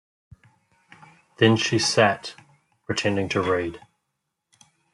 Then she sat, pretending to read.